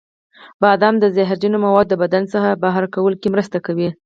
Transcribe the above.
بادام د زهرجنو موادو د بدن څخه بهر کولو کې مرسته کوي.